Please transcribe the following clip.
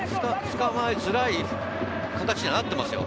捕まえづらい形にはなっていますよ。